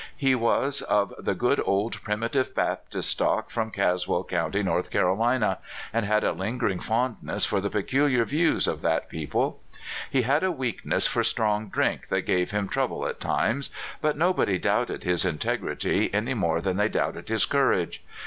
He was of the good old Primitive Baptist stock from Caswell County, N. C, and had a lingering fondness for the peculiar views of that people. He had a weaknesr< for strong drink that gave him trouble at times, but nobody doubted his integrity any more than they doubted his courage.